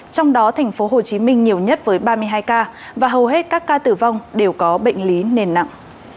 trong đó thành phố hồ chí minh nhiều nhất với ba mươi hai ca và hầu hết các ca tử vong đều có bệnh lý nền nặng